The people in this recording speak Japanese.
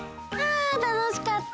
あたのしかった！